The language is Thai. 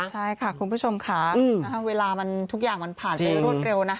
ใช่ค่ะคุณผู้ชมค่ะเวลาทุกอย่างมันผ่านไปรวดเร็วนะคะ